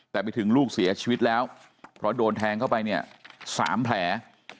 แต่ไปถึงลูกเสียชีวิตแล้วเพราะโดนแทงเข้าไปเนี่ย๓แผล